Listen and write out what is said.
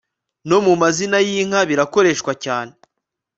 nomumazina y'inka birakoreshwa cyane